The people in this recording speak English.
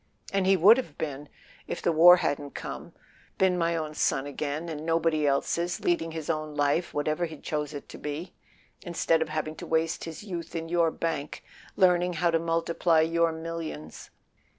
And he would have been, if the war hadn't come; been my own son again and nobody else's, leading his own life, whatever he chose it to be, [ 251 ] A SON AT THE FRONT instead of having to waste his youth in your bank, learning how to multiply your millions."